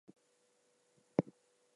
“If it is good,” she said.